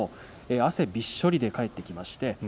汗びっしょりで帰ってきました。